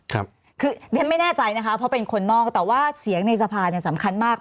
คือเรียนไม่แน่ใจนะคะเพราะเป็นคนนอกแต่ว่าเสียงในสภาเนี่ยสำคัญมาก